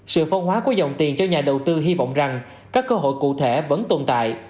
sự phân hóa của dòng tiền cho nhà đầu tư hy vọng rằng các cơ hội cụ thể vẫn tồn tại